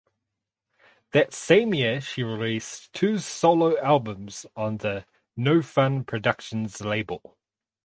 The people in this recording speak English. That same year she released two solo albums on the No Fun Productions label.